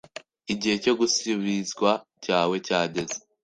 igihe cyo gusubizwa cyawe cyageze